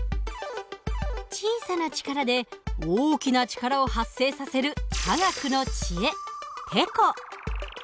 小さな力で大きな力を発生させる科学の知恵てこ。